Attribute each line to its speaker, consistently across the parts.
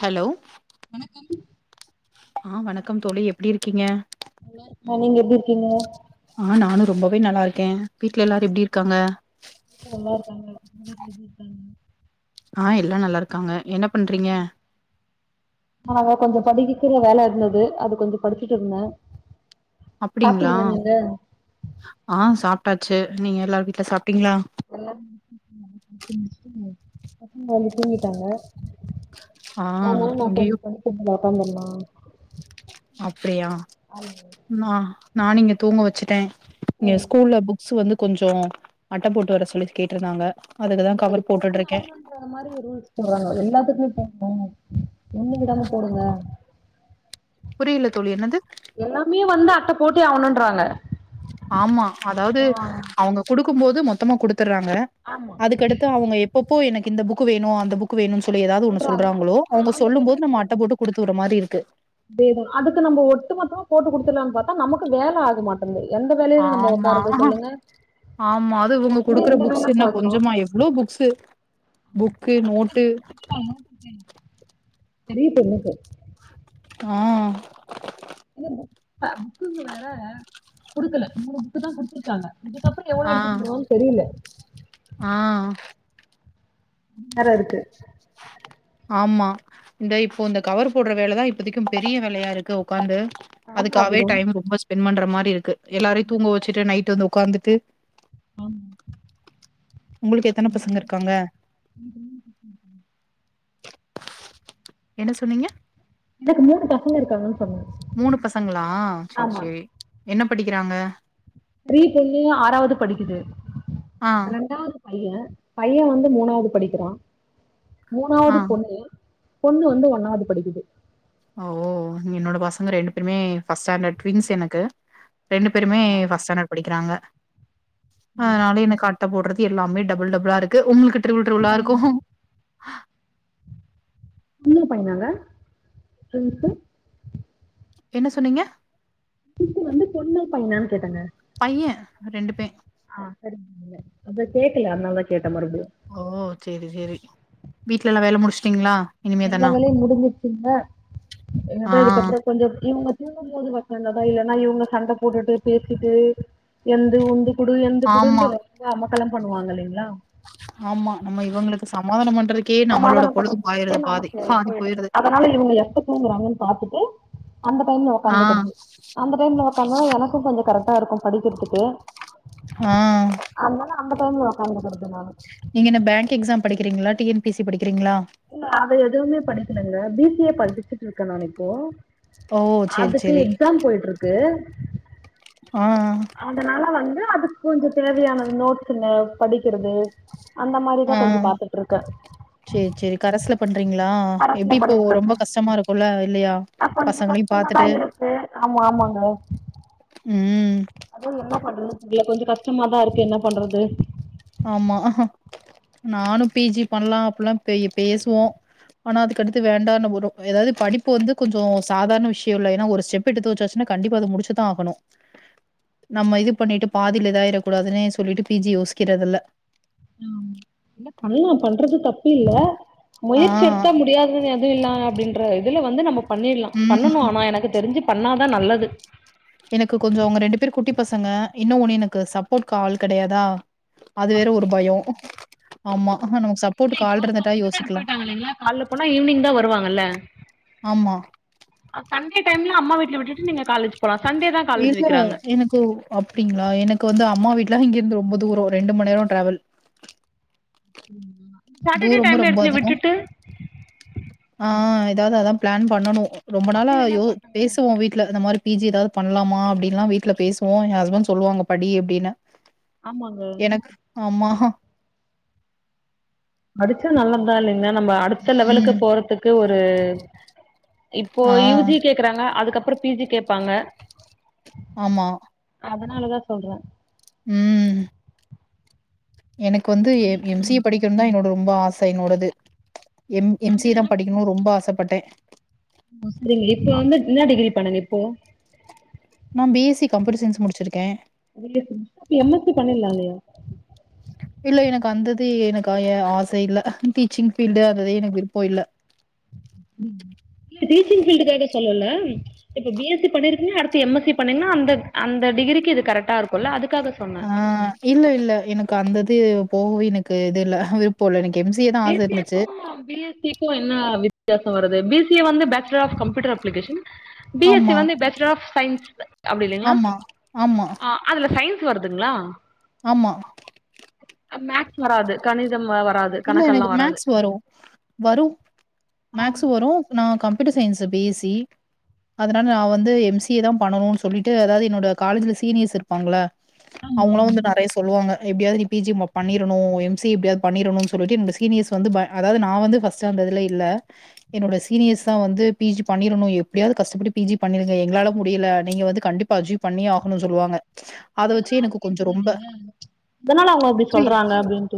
Speaker 1: Hello
Speaker 2: வணக்கம்
Speaker 1: ஆ வணக்கம் தோழி எப்டி இருக்கீங்க
Speaker 2: ஆ நீங்க எப்டி இருக்கீங்க
Speaker 1: ஆ நானு ரொம்பவே நல்லா இருக்கே வீட்ல எல்லாரு எப்டி இருக்காங்க
Speaker 2: நல்லா இருக்காங்க
Speaker 1: ஆ எல்லா நல்லா இருக்காங்க என்ன பண்றீங்க
Speaker 2: சாப்ட்டீங் நாங்க கொஞ்ச படிக்கிற வேல இருந்தது அது கொஞ்சோ படிச்சிட்டு இருந்தே
Speaker 1: அப்டிங்களா
Speaker 2: சாப்ட்டீங்களா நீங்க
Speaker 1: ஆ சாபட்டாச்சி நீங்க எல்லாரு வீட்ல சாப்ட்டீங்களா
Speaker 2: [unintelligible] பசங்க வந்து தூங்கிட்டாங்க
Speaker 1: ஆ
Speaker 2: அதனால நா
Speaker 1: இங்கேயு
Speaker 2: கொஞ்சோ படிக்தறதுல உக்காந்துர்லா
Speaker 1: அப்படியா ஆ நானு இங்க தூங்க வச்சிட்டே இங்க ஸ்கூல்ல புக்ஸ் வந்து கொஞ்சோ அட்ட போட்டு வர சொல்லி கேட்டிருந்தாங்க அதுக்கு தா கவர் போட்டுட்டு இருக்கே
Speaker 2: அவுங்களுக்கு தகுந்த மாரி ரூல்ஸ் போறாங்க எல்லாத்துக்குமே போட்ணு ஒண்ணு விடாம போடுங்க
Speaker 1: புரியில தோழி என்னது
Speaker 2: எல்லாமே வந்து அட்ட போட்டே ஆவணுன்றாங்க
Speaker 1: ஆமா அதாவது அவுங்க குடுக்கும்போது மொத்தமா குடுத்துறாங்க
Speaker 2: ஆமா
Speaker 1: அதுக்கடுத் அவுங்க எப்பப்போ எனக்கு இந்த புக் வேணு அந்த புக்கு வேணுன் சொல்லி ஏதாவது ஒண்ணு
Speaker 2: சொல்றாங்க
Speaker 1: சொல்றாங்களோ
Speaker 2: ஆ
Speaker 1: அவங்க
Speaker 2: அந்த
Speaker 1: சொல்லும் போது நம்ம அட்ட போட்டு குடுத்து விடுற மாரி இருக்கு
Speaker 2: அதேதா அதுக்கு நம்ம ஒட்டு மெத்தமா போட்டு குடுத்தலான்னு பாத்தா நமக்கு வேல ஆக மாட் டன்து எந்த வே
Speaker 1: ஆமா ஆமா அதுவு இவங்க குடுக்குற
Speaker 2: இந்த
Speaker 1: புக்ஸ்
Speaker 2: வேல
Speaker 1: என்ன
Speaker 2: பாக்கணு
Speaker 1: கொஞ்சமா எவ்ளோ புக்ஸ்சு புக்கு நோட்டு
Speaker 2: பெரிய பொண்ணுக்கு
Speaker 1: ஆ
Speaker 2: [unintelligible] புக்குங்க வேற குடுக்கல மூணு புக்கு தா குடுத்துருக்காங்க இதுக்கு அப்புறோ எவ்ளோ
Speaker 1: ஆ
Speaker 2: எடுத்துட்டு வருவாங்கனு தெரியில
Speaker 1: ஆ
Speaker 2: வேற இருக்கு
Speaker 1: ஆமா இந்த இப்போ இந்த கவர் போடுற வேலதா இப்போதிக்கும் பெரிய வேலையா இருக்கு உக்காந்து
Speaker 2: ஆமா அது
Speaker 1: அதுக்காகவே டைம் ரொம்ப ஸ்பெண்ட் பண்ற மாரி இருக்கு எல்லாரையு தூங்க வெச்சுட்டு நைட் வந்து உக்காந்துட்டு
Speaker 2: ஆமா
Speaker 1: உங்களுக்கு எத்தன பசங்க இருக்காங்க
Speaker 2: [inaudible]
Speaker 1: என்ன சொன்னீங்க
Speaker 2: எனக்கு மூணு பசங்க இருக்காங்கன்னு சொன்ன
Speaker 1: மூணு பசங்களா செர் செரி என்ன படிக்கிறாங்க
Speaker 2: பெரிய பொண்ணு ஆறாவது படிக்குது
Speaker 1: ஆ
Speaker 2: ரெண்டாவது பைய பையவந்து மூணாவது படிக்கிறா
Speaker 1: ஆ
Speaker 2: மூணாவது பொண்ணு பொண்ணு வந்து ஒன்னாவது படிக்குது
Speaker 1: ஓ என்னோட பசங்க ரெண்டு பேருமே ஃபார்ஸ்டாண்டர்ட் டுவின்ஸ் எனக்கு ரெண்டு பேருமே ஃபர்ஸ்ட் ஸ்டாண்டட் படிக்கிறாங்க அதனால எனக் அட் அட்ட போட்றது எல்லாமே டபுள் டபுளா இருக்கு உங்களுக்கு ரிபுள் ரிபுளா இருக்கு
Speaker 2: உங்க பையனாங்க டுவின்ஸு
Speaker 1: என்ன சொன்னீங்க
Speaker 2: டுவின்ஸ்ஸு வந்து பொண்ணா பையனான்னு கேட்டங்க
Speaker 1: பைய ரெண்டுமே
Speaker 2: ஆ சரிங்க அதா கேக்கல அதனால தா கேட்ட மறுபடியு
Speaker 1: ஓ செரி செரி வீட்ல எல்லா வேல முடிச்சிட்டீங்ளா
Speaker 2: எல்லா வேலையு முடிஞ்சிச்ங்க
Speaker 1: ஆ,
Speaker 2: அத இதுக்கப்ரோ கொஞ்சோ இவங்க திரும்பும்போது ஒக்காந்தா தா இல்லன்னா இவுங்க சண்ட போட்டுட்டு பேசிட்டு எந்து உந்து குடு எந்த
Speaker 1: ஆமா,
Speaker 2: குடுன்ற ரொம்ப அமக்கலம் பண்ணுவாங்க இல்லைங்களா
Speaker 1: ஆமா நம்ம இவங்களுக்கு சமாதானம் பண்றக்கே நம்மளோட
Speaker 2: சமாதானம்
Speaker 1: பொழுது
Speaker 2: பண்றதுக்கே
Speaker 1: பாய்றது பாதி
Speaker 2: நமக்கு
Speaker 1: பாதி
Speaker 2: போயிடுது
Speaker 1: போய்ருது
Speaker 2: அதனால இவங்க எப்ப தூங்குறாங்கன்னு பாத்துட்டு அந்த டைமுல
Speaker 1: ஆ,
Speaker 2: உக்காந்துக்கறது அந்த டைம்ல உக்காந்தனா எனக்கும் கொஞ்சம் கரெக்டா இருக்கு படிக்கறதுக்கு
Speaker 1: ஆ
Speaker 2: அதனால அந்த டைம்ல ஒக்காந்துக்கறது நானு
Speaker 1: நீங்க என்ன பேங் எக்ஸாம் படிக்கிறீங்ளா டிஎன்பிசி படிக்கிறீங்ளா
Speaker 2: அது எதுவுமே படிக்கலங்க பிசிஏ படிச்சிட்டுருக்கே நா இப்போ
Speaker 1: ஓ! சரி,
Speaker 2: அதுக்கு
Speaker 1: சரி.
Speaker 2: எக்சாம் போயிட்ருக்கு
Speaker 1: ஆ
Speaker 2: அதனால வந்து அதுக்கு கொஞ்சோ தேவையான நோட்ஸ்ங்க படிக்கறது அந்த மாரிதா கொஞ்ச பாத்துட்ருக்கே
Speaker 1: சேர் செரி கரெஸ் பண்றீங்ளா
Speaker 2: அரசுல
Speaker 1: எப்டி இப்போ ரொம்ப கஷ்டமா இருக்குல இல்லயா
Speaker 2: அ கொஞ்சோ கஸ்டமா தா இருக்கு ஆமா ஆமாங்
Speaker 1: ம்
Speaker 2: அதா என்ன பண்றது தெரில கொஞ்சோ கஷ்டமாதா இருக்கு என்ன பண்றது
Speaker 1: ஆமா நானு பிஜி பண்லா அப்பல்லா பெய் பேசுவோ ஆனா அதுக்கு அடுத்து வேண்டானு வரு ஏதாவ்து படிப்பு வந்து கொஞ்சோ சாதாரண விஷ்யோ இல்ல ஒரு செப் [unintelligible] தோச்சாச்சுான கன்டிப்பா அத முடிச்சுதா ஆகணு நம்ம இது பண்ணிட்டு பாதில இதாயிரக்கூடாதுனே சொல்லிட்டு பி. ஜி யோசிக்கிறதில்ல
Speaker 2: ஆமா இல்ல பண்லா பண்றது தப்பில்ல
Speaker 1: ஆ
Speaker 2: முயற்சி எடுத்தா முடியாதுனு எ ட்றலா அப்டின்ற இதுல வந்து நம்ம பண்ணிர்லா பண்ணணு
Speaker 1: ம்
Speaker 2: ஆனா எனக்கு தெரிஞ்சி பண்ணாதா நல்லது
Speaker 1: எனக்கு கொஞ்சோ அவுங்க ரெண்டு பேரு குட்டி பசங்க என்ன ஒன்னு எனக்கு சப்போர்ட்க்கு ஆள் கெடையாதா அது வேற ஒரு பயோ ஆமா [unintelligible]
Speaker 2: இல்ல இப்போ
Speaker 1: ஆள் இருந்துட்டா
Speaker 2: ஃபஸ்ட்டு டைம்
Speaker 1: யோசிக்கலா
Speaker 2: போய்ட்டாங்க இல்லைங்களா கால்ல போனா ஈவினிங் தா வருவாங்க இல்ல
Speaker 1: ஆமா
Speaker 2: ஆ சண்டே டைம்ல அம்மா வீட்ல விட்டுட்டு நீங்க காலேஜ் போலா சண்டே தா காலேஜ்
Speaker 1: இல்ல
Speaker 2: வைக்கிறாங்க
Speaker 1: எனக்கு ஒ ஓ அப்டிங்ளா எனக்கு வந்து அம்மா வீட்லா இங்க இருந்து ரொம்ப தூரோ ரெண்டுமண்நேரோ ட்ராவல்
Speaker 2: சாட்டர்டே
Speaker 1: தூரமும்
Speaker 2: டைம்ல
Speaker 1: ரொம்ப
Speaker 2: எடுத்துனே
Speaker 1: அதிகம்.
Speaker 2: விட்டுட்டு
Speaker 1: ஆ ஏதாவ்து அதா ப்ளான் பண்ணனு ரொம்ப நாளா
Speaker 2: அப்டி வேணா
Speaker 1: யோ
Speaker 2: பண்ணுங்க
Speaker 1: பேசுவோ வீட் ட்ல இந்த மாரி பி ஜி ஏதாவ்து பண்லாமா அப்டின்ல்லா வீட்ல பேசுவோ என் ஹஸ்பண்ட் சொல்வாங்க படி அப்டின்னு
Speaker 2: ஆமாங்க
Speaker 1: எனக்கு ஆமா
Speaker 2: படிச்சா நல்லத்தா இல்லைங்ளா நம்ம அடுத்த லெவலுக்கு
Speaker 1: ம்.
Speaker 2: போறத்துக்கு ஒரு இப்போ
Speaker 1: ஆ.
Speaker 2: யூ ஜி கேக்கறாங்க அதுக்கப்ரோ பி ஜி கேப்பாங்க
Speaker 1: ஆமா
Speaker 2: அதனாலதா சொல்ற
Speaker 1: ம் எனக்கு வந்து எ எம் சி ஏ படிக்கனு தா என்னோட ரொம்ப ஆச என்னோடது எம் எம் சி யே தா படி கின்னு ரொம்ப ஆசப்பட்டேன்
Speaker 2: மோஸ்லி இப்ப வந்து இன்னா டிகிரி பண்ணிங்க இப்போ
Speaker 1: நா B S C computer science முடிச்சிருக்க
Speaker 2: பி எஸ் சிங் எம் எஸ் சி பண்ணில்லா இல்லயா
Speaker 1: இல்ல எனக்கு அந்த இதே எனக்கு ஆ எ ஆச இல்ல டீச்சிங் ஃபீல்டு அதவே எனக்கு விருப்போ இல்ல இல்லை
Speaker 2: டீச்சிங் ஃபீல்டுகாக சொல்லலம் இப்ப பி. எஸ். சி பண்ணிருக்கீங்க அடுத்து எம். எஸ். சிப் பண்ணீங்னா அந்தக் அந்த டிகிரிக்கி இது கரெக்ட்டா இருக்குல்ல அதுக்காக சொ
Speaker 1: ஆ இல்ல இல்ல எனக்கு அந்த இது போகவே எனக்கு இது இல்ல விருப் போ இல்ல எனக்கு எம். சி. ஏ தா ஆச இருந்துச்சு
Speaker 2: சிப்போ என்ன வித்யாசோ வருது பி. சி ஏ வந்து bachelor of computer application B. S. C
Speaker 1: ஆமா,
Speaker 2: வந்து பேச்சுலர் ஆஃப் சயின்ஸ் அப்டி இல்லைங்ளா
Speaker 1: ஆமா, ஆமா,
Speaker 2: ஆ அதுல சயின்ஸ் வருதுங்ளா
Speaker 1: ஆமா
Speaker 2: அ மேக்ஸ் வராது கணிதம் அ வராது
Speaker 1: இல்ல
Speaker 2: கணக்கெல்லா
Speaker 1: எனக்கு
Speaker 2: வராது
Speaker 1: மேக்ஸ் வரு வரு மேக்ஸு வரு நா computer science B. S. C அதனால நா வந்து எம். சி. ஏ தாம் பண்ணணுன் சொல்லிட்டு அதாவுது என்னோட காலேஜ்ல சீனியர்ஸ் இருப்பாங்ள அவுங்களா வந்து நெறயா சொல்லுவாங்க எப்டியாவது நீ பி. ஜி ஏ மப் பண்ணிரணு எம். சி எப்டியாவ்த் பண்ணிரணுச் தொருவாட்டி என்னோட சீனியர்ஸு வந்து ப அதாவுது நா வந்து ஃபஸ்டு அந்த இதுல இல்ல என்னோட சீனியர்ஸ்தா வந்து பி. ஜி பண்ணிரணு எப்டியாவுது கஷ்டப்பட்டு பி. ஜி பண்ணிருங்க எங்ளால முடியல நீங்க வந்து கண்டிப் பா ஜி பண்ணியே ஆகணு சொல்லுவாங்க அத வச்சு
Speaker 2: எதனாலனு
Speaker 1: எனக்கு கொஞ்சம்
Speaker 2: கேட்டீங்ளா
Speaker 1: ரொம்ப
Speaker 2: நீங்க எதனால அவுங்க அப்டி
Speaker 1: புரி
Speaker 2: சொல்றாங்க அப்டின்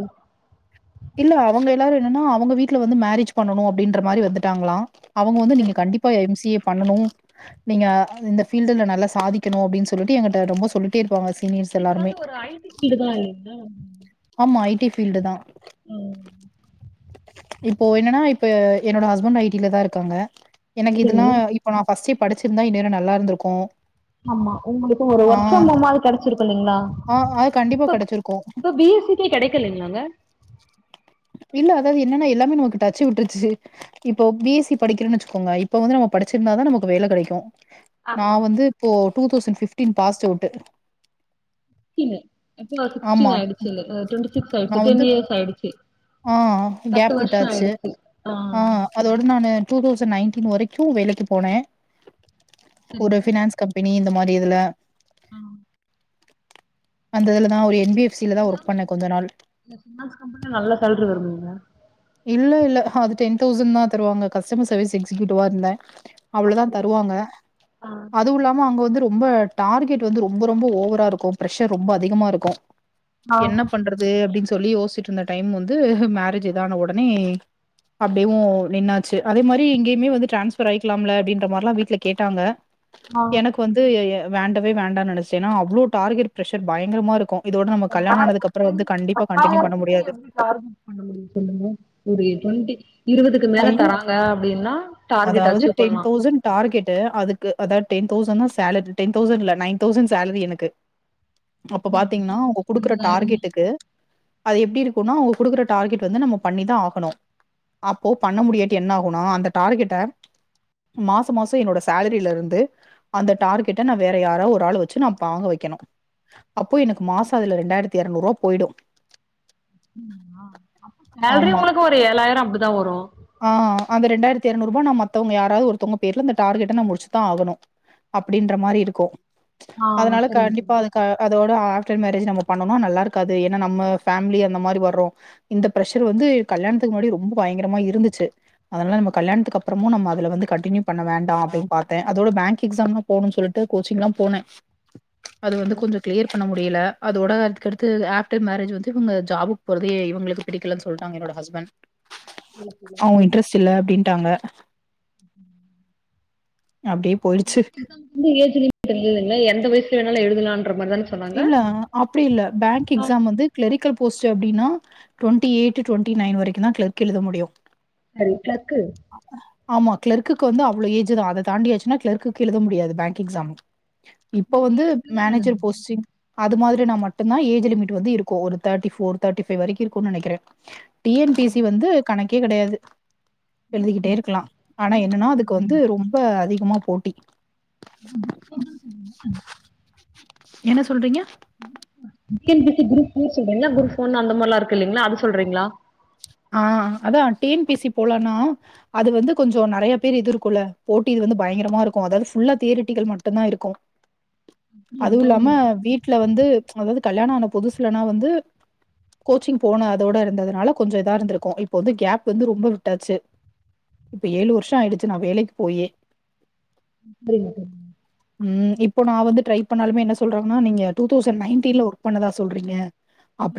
Speaker 1: இல்ல அவங்க எல்லாரு என்னன்னா அவங்க வீட்ல வந்து மேரேஜ் பண்ணனு அப்டின்ற மாரி வந்துட்டாங்ளா அவங்க வந்து நீங்க கண்டிப் பா எம். சி. ஏ பண்ணனு நீங்க இந்த ஃபீல்டுல நல்லா சாதிக்கணு அப்டின் சொல்லிட்டு எங்கிட்ட ரொம்ப சொல்லிட் ட்டே இருப்பாங்க சினீயர்ஸ்
Speaker 2: இது வந்து ஒரு ஐ. டி ஃபீல்டுதா இல்லிங்ளா
Speaker 1: ஆமா ஐ. டி ஃபீல்டுதா
Speaker 2: ம்
Speaker 1: இப்போ என்னனா இப்ப என்னோட ஹஸ்பண்ட் ஐ டிலதா இருக்காங்க எனக்கு
Speaker 2: சரிங்க
Speaker 1: இதெல்லா இப் இப்ப நா ஃபஸ்ட்டே படிச்சிருந்தா இந்நேரோ நல்லாருந்துருக்கு
Speaker 2: ஆம்மா உங்களுக்கு ஒரு ஒர்க் ஃப்ரம் ஹோம் மாரி கெடச்சிருக்கு இல்லிங்ளா
Speaker 1: ஆ அது கண்டிப்பா கெடச்சிருக்கு
Speaker 2: கே கெடைக்கலைங்ளாங்க
Speaker 1: இல்ல அதாது என்னனா எல்லாமே நமக்கு டச்சு விட்ருச்சு இப்போ பி எஸ் சி படிக்கிறன் வெச்சுகோங்க இப்ப வந்து நம்ம படிச்சிருந்தாதா நமக்கு வேல கெடைக்கு நா
Speaker 2: ஆமா
Speaker 1: வந்து இப்போ two thousand fifteen passed out
Speaker 2: கீழ இப்போ சீக்ஸ்டீன்
Speaker 1: ஆமா.
Speaker 2: ஆயிடுச்சு இல்லே அ டுவெண்ட்டி சிக்ஸ் ஆயிடுச்சி
Speaker 1: நான்
Speaker 2: டென்
Speaker 1: வந்து
Speaker 2: இயர்ஸ் ஆயிடுச்சி
Speaker 1: ஆ
Speaker 2: பத்து
Speaker 1: கேப்
Speaker 2: வருசோ
Speaker 1: விட்டாச்சு.
Speaker 2: ஆயிடுத்து ஆ
Speaker 1: அதோட நா டூ தௌசண்ட் நைன்டீன் வரைக்கு வேலைக்கு போனே ஒரு பினான்ஸ் கம்பெனி இந்த மாதிரி இதுல
Speaker 2: ஆ
Speaker 1: அந்த இதுலதா ஒரு என் பி எஃப் சிலதா ஒர்க் பண்ணே கொஞ்ச நாள்
Speaker 2: இந்த ஃபினான்ஸ் கம்பெனில நல்ல சேல்ரி வருதுங்ளா
Speaker 1: இல்ல இல்ல அது டென் தௌசண்ட்தா தறுவாங்க கஸ்டமர் சர்வீஸ் எக்ஸிகயூட்டிவா இருந்தே அவ்ளோதா
Speaker 2: அப்படிங்க
Speaker 1: தருவாங்க
Speaker 2: ஆ
Speaker 1: அதுவு இல்லாம அங்க வந்து ரொம்பட் டார்கெட்டு வந்து ரொம்ப ரொம்ப ஓவரா இருக்கு ப்ரெஷர் ரொம்ப அதிகமா இருக்கு
Speaker 2: ஆ
Speaker 1: என்னப் பண்றது அப்டின் சொல்லி யோசிட்ருந்த டைம் வந்து மேரேஜ் இதான ஒடனே அப்டியே ஓ நின்னாச்சு அதே மாரி இங்கயுமே வந்து டிரான்ஸ்ஃபர் ஆயிக்லாம்ல அப்டின்ற மார்லா வீட்ல கேட்டாங்க எனக்கு வந்து எ எ வேண்டவே வேண்டான் நெனச்சே எனா அவ்ளோ டார்கெட் ப்ரஷர் பயங்கரமா இருக்கு இதோட நமக் கல்யாணோ ஆனதுக்கப்றோ வந்து கண்டிப்பா கண்டினியூ பண்ண முடியாது
Speaker 2: பண்ண முடியு சொல்லுங்க ஒரு டுவெண்டி இருவதுக்கு மேலத்
Speaker 1: ஐயோ
Speaker 2: தராங்க அப்டின்னா டார்கெட்
Speaker 1: அதாவது
Speaker 2: அச்சீவ்
Speaker 1: டென்
Speaker 2: பண்லா
Speaker 1: தவுசண்ட் டார்கெட்டு அதுக்கு அதாது ten thousand salary ten thousand இல்ல நைன் தௌசண்ட் சேலரி எனக்கு அப்ப பாத்தீங்கன்னா அவங்க குடுக்குற டார்கெட்டுக்கு அது எப்டி இருக்குனா அவங்க குடுக்குற டார்கெட் வந்து நம்ம பண்ணிதா ஆகணு அப்போ பண்ண முடியாட்டி என்ன ஆகுனா அந்த டார்கெட்ட மாசோ மாசசோ என்னோட சேலரில இருந்து அந்த டார்கெட்ட நா வேற யாராவ் ஒரு ஆள் வச்சு நா பாக வக்கணு அப்போ எனக்கு மாசோ அதுல ரெண்டாயிரத்தி இரனூற்வா போய்டு
Speaker 2: ஆ சேலரி
Speaker 1: ஆமா.
Speaker 2: உங்களுக்கு ஒரு ஏழாயிரோ அப்டிதா வரு
Speaker 1: ஆ அந்த ரெண்டாயிரத்தி இரநூறுவா மத்தவங்க யாராவது ஒருதவங்க பேர்ல அந்த டார்கெட்ட ந முடிசுதா ஆகணு அப்டின்ற மாரி இருக்கு அதனால கண்டிப்பா அது அதோட ஆஃப்டர் மேரேஜ் நம்ம பண்ணோனா நல்லாருக்காது ஏன்னா நம்ம ஃபேமிலி அந்த மாரி வர்றோ இந்த பிரஷர் வந்து கல்யாணத்துக்கு முன்னாடி ரொம்ப பயங்கரமா இருந்துச்சு அதனால நம்ம கல்யாணக்கு அப்புறமு நம்ம அதில வந்து கன்டினியூ பண்ண வேண்டாம் அப்பின்னு பாத்தே அதோட பேங்க் எக்ஸாம்லா போணு சொல்ட்டு கோச்சி்ங்லா போனே அது வந்து கொஞ்சோ க்ளியர் பண்ண முடியல அதோட அதுக்கடுத்து ஆப்டர் மேரேஜ் வந்து இவங்க ஜாபுக் போறதே இவங்களுக்கு பிடிக்கலன்னு சொல்ட்டாங்க என்னோட ஹஸ்பண்ட் அவங்க இன்ட்ரெஸ்ட் இல்ல அப்டின்ட்டாங்க
Speaker 2: உம்
Speaker 1: நா அப்டே
Speaker 2: பேங்க் எக்ஸாம்க்கு வந்து ஏஜ் லிமிட் இல்லில எந்த வயசல வேணால எழுதலாண்ற மாரிதானே
Speaker 1: இல்ல அப்டி இல்ல பேங்க் எக்ஸாம் வந்து கிளெரிக்கல் போஸ்ட் அப்டின்னா ட்டுவெண்டி எய்ட் ட்டுவெண்டி நைன் வரைக்குதா கிளர்க் எழுத முடியு
Speaker 2: [unintelligible]
Speaker 1: ஆமா கிளர்க்குக்கு வந்து அவ்ளோ ஏஜ்தா அத தாண்டியச்சுன்னா கிளர்க் எழுத முடியாது பேங்க் எக்ஸாம் இப்ப வந்து மேனேஜர் போஸ்டிங் அது மாதிரினா மட்டுந்தா ஏஜ் லிமிட் வந்து இருக்கு ஒரு தேட்டி ஃபோர் தேட்டி ஃபைவ் வரைக்கு இருக்குனு நெனக்கிறே டி என் பி சி வந்து கணக்கே கெடையாது எழுதிக்கிட்டே இருக்கலா ஆனா எதுனா அதுக்கு வந்து ரொம்ப அதிகமா போட்டிங்க
Speaker 2: [unintelligible]
Speaker 1: என்ன சொல்றீங்க
Speaker 2: T N P C group two சொல்றீங்களா குரூப் ஒன் அந்த மாரிலா இருக்குல்லீங்களா அது சொல்றீங்களா
Speaker 1: ஆ அதா டி என் பி சி போலானா அது வந்து கொஞ்சோ நறைய பேர் இது இருக்குள்ள போட்டி இது வந்து பயங்கரமா இருக்கு அதாவ்து ஃபுல்லா தியரட்டிகள் மட்டுந்தா இருக்கு அதுவு இல்லாம வீட்ல வந்து அதாது கல்யாண ஆன புதுசுலேலா வந்து கோச்சிங் போன அதோட இருந்ததுனால கொஞ்ச இதா இருந்திருக்கு இப்ப வந்து கேப் வந்து ரொம்ப விட்டாச்சு இப்ப ஏழு வருஷோ ஆயிடுச்சு நா வேலைக்கி போயே
Speaker 2: சரிங்க சரிங்
Speaker 1: ம் இப்போ நா வந்து ட்ரை பண்ணாலுமே என்ன சொல்றாங்க நீங்க டூ தௌசண்ட் நைன்டீன்ல ஒர்க் பண்ணதா சொல்றீங்க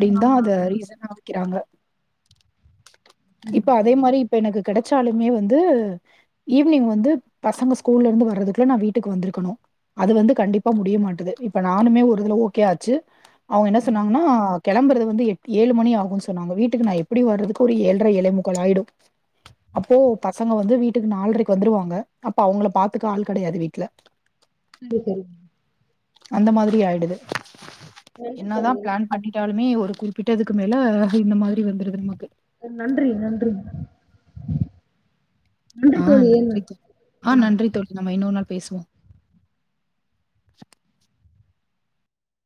Speaker 2: ம் ஆமாங்க
Speaker 1: அத ரீசனா வைக்கிறாங்க இப்ப அதே மாரி இப்ப எனக்கு கெடச்சாலுமே வந்து ஈவினிங் வந்து பசங்க ஸ்கூல்லருந்து வர்றதுக்குள்ள நா வீட்டுக்கு வந்திருக்கணு அது வந்து கண்டிப்பா முடிய மாட்டது இப்ப நானுமே ஒரு இதுல ஓகே ஆச்சு அவங்க என்ன சொன்னாங்கன்னா கெளம்பறது வந்து எட் ஏழு மணி ஆகுனு சொன்னாங்க வீட்டுக்கு நா எப் எப்டியு வர்றதுக்கு ஒரு ஏழ்ர ஏழே முக்கால் ஆயிடு அப்போ பசங்க வந்து வீட்டுக் நாள்ரைக்கு வந்துருவாங்க அப்ப அவுங்கள பாத்துக்க ஆள் கெடையாது வீட்ல [inaudible]
Speaker 2: சரிங்க தோழி
Speaker 1: அந்த மாதிரி ஆயிடுது
Speaker 2: நன்றி
Speaker 1: என்னதா
Speaker 2: தோழி
Speaker 1: பிளான் பண்ணிட்டாலுமே ஒரு குறிப்பிட்டதுக்கு மேல இந்த மாதிரி வந்துருது நமக்கு
Speaker 2: நன்றி நன்றிங்க
Speaker 1: ஆ நன்றி தோ ஆ நன்றி தோழி நம்ம இன்னொரு நாள் பேசுவோ